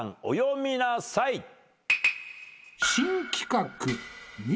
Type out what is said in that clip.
お詠みなさい。